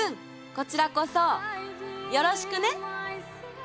こちらこそよろしくね！